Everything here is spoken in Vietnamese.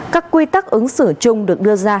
các quy tắc ứng xử chung được đưa ra